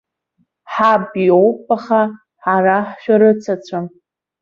Ҳаб иоуп, аха ҳара ҳшәарыццәам.